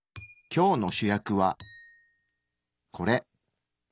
今日の主役はこれ。